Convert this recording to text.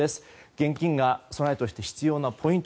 現金が備えとして必要なポイント。